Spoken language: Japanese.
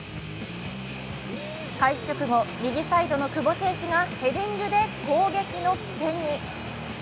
開始直後、右サイドの久保選手がヘディングで攻撃の起点に。